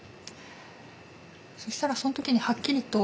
そしたらその時にはっきりと「難しいね。